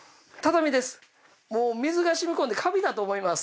もう水が染み込んでカビだと思います。